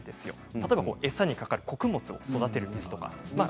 例えば、餌にかかる穀物を育てる水ですとか。